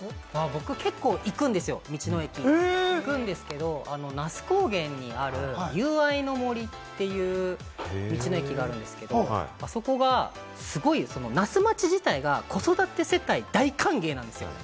僕、結構行くんですよ、道の駅。行くんですけど、那須高原に友愛の森っていう、道の駅があるんですけど、そこは那須町自体が子育て世帯、大歓迎なんですよ。